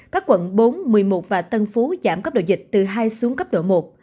các quận bốn một mươi một và tân phú giảm cấp độ dịch từ hai xuống cấp độ một